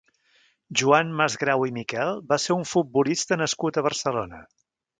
Joan Masgrau i Miquel va ser un futbolista nascut a Barcelona.